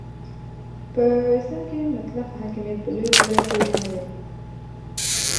په اسلام کې مطلق حاکمیت په لوی خدای پورې اړه لري.